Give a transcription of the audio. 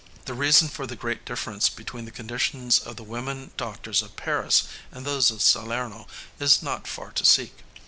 The reason for the great difference between the conditions of the women doctors of Paris and those of Salerno is not far to seek.